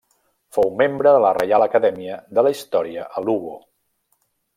Fou membre de la Reial Acadèmia de la Història a Lugo.